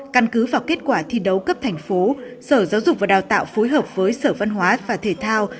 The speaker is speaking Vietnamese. căn cứ vào kết quả thi đấu cấp thành phố sở giáo dục và đào tạo phối hợp với sở văn hóa và thể thao